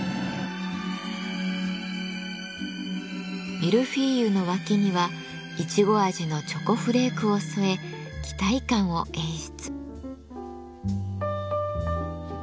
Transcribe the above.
ミルフィーユの脇にはイチゴ味のチョコフレークを添え期待感を演出。